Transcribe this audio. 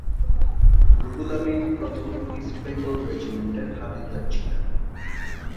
রুহুল আমিন প্রথম ইস্ট বেঙ্গল রেজিমেন্টের হাবিলদার ছিলেন।